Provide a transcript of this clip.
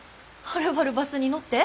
はるばるバスに乗って？